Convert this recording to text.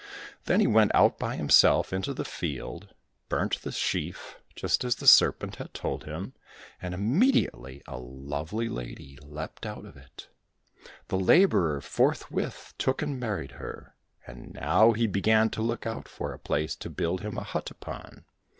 Then he went out by himself into the field, burnt the sheaf, just as the Serpent had told him, and immediately a lovely lady leapt out of it. The labourer forthwith took and married her ; and now he began to look out for a place to build him a hut upon.